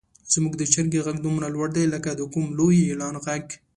زموږ د چرګې غږ دومره لوړ دی لکه د کوم لوی اعلان غږ.